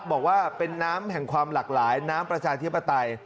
บอกว่าเป็นน้ำแห่งความหลากหลายน้ำประชาธิปไตย